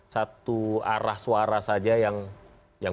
satu arah suara saja yang